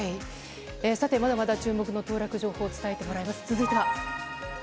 さて、まだまだ注目の当落情報、伝えてもらいます。